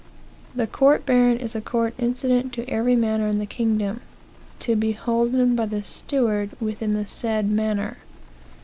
"The court baron is a court incident to every manor in the kingdom, to beholden by the steward within the said manor.